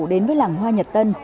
đến với làng hoa nhật tân